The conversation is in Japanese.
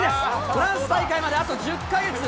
フランス大会まであと１０か月。